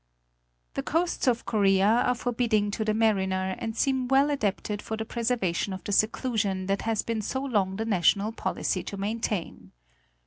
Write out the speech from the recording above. The coasts of Korea are forbidding to the mariner and seem well adapted for the preservation of the seclusion that it has been so long the national policy to maintain.